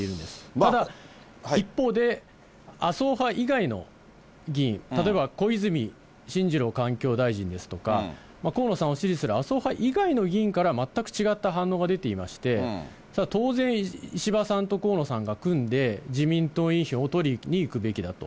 また一方で、麻生派以外の議員、例えば小泉進次郎環境大臣ですとか、河野さんを支持する麻生派以外の議員から、全く違った反応が出ていまして、それは当然、石破さんと河野さんが組んで、自民党員票を取りにいくべきだと。